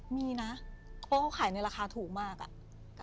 มีนะเพราะเขาขายในราคาถูกมากอะ